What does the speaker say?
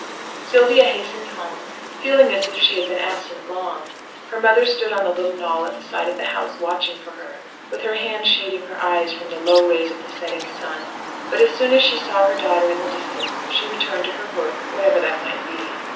Sylvia hastened home, feeling as if she had been absent long; her mother stood on the little knoll at the side of the house watching for her, with her hand shading her eyes from the low rays of the setting sun: but as soon as she saw her daughter in the distance, she returned to her work, whatever that might be.